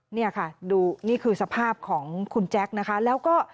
เนี่ยค่ะดูนี่คือสภาพของคุณแจ๊คนะคะแล้วก็